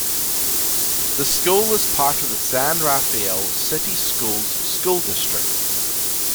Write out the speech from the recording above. The school is part of the San Rafael City Schools school district.